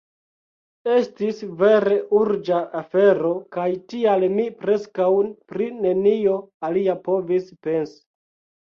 Estis vere urĝa afero, kaj tial mi preskaŭ pri nenio alia povis pensi.